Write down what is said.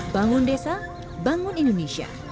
bangun desa bangun indonesia